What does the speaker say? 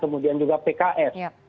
kemudian juga pks